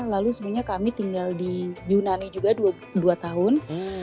lalu sebenarnya kami tinggal di yunani juga dua tahun